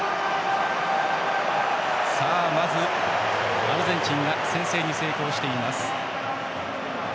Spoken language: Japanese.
まずアルゼンチンが先制に成功しています。